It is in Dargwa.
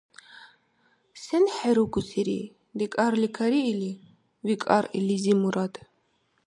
— Сен хӀерукусири, декӀарли кариили? – викӀар илизи Мурад.